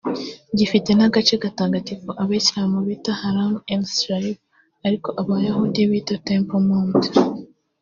Gifite n’agace gatagatifu Abayisilamu bita Haram al-Sharif ariko Abayahudi bita Temple Mount